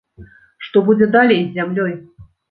Што будзе далей з зямлёй?